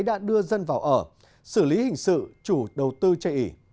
đã đưa dân vào ở xử lý hình sự chủ đầu tư chế ị